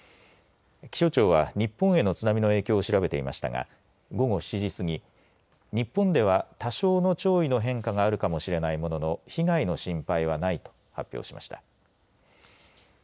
気象庁は日本への津波の影響を調べていましたが午後７時過ぎ日本では多少の潮位の変化があるかもしれないものの被害の心配はないと発表しました。